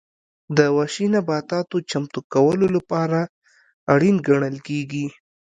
د وحشي نباتاتو چمتو کولو لپاره اړین ګڼل کېږي.